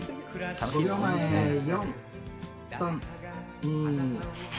５秒前４３２。